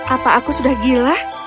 apa aku sudah gila